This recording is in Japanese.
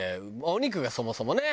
お肉がそもそもね。